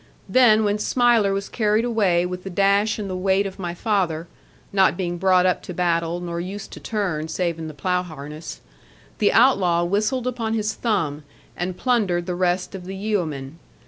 Then when Smiler was carried away with the dash and the weight of my father (not being brought up to battle, nor used to turn, save in plough harness), the outlaw whistled upon his thumb, and plundered the rest of the yeoman.